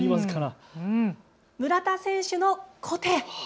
村田選手の小手。